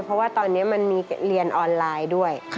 เพราะว่าตอนนี้มันมีเรียนออนไลน์ด้วย